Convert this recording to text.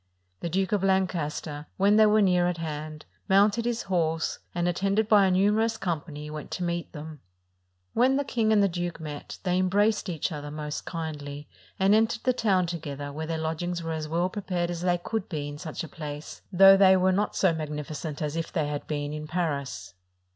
The Duke of Lancaster, when they were near at hand, mounted his horse; and, attended by a numer ous company, went to meet them. When the king and 578 A JOUST AT THE COURT OF PORTUGAL the duke met, they embraced each other most kindly, and entered the town together, where their lodgings were as well prepared as they could be in such a place, though they were not so magnificent as if they had been in Paris.